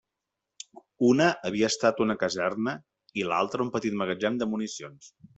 Una havia estat una caserna i l'altra un petit magatzem de municions.